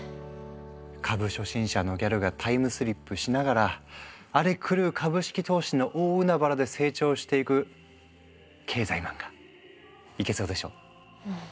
株初心者のギャルがタイムスリップしながら荒れ狂う株式投資の大海原で成長していく経済漫画いけそうでしょ。